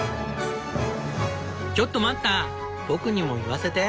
「ちょっと待った僕にも言わせて。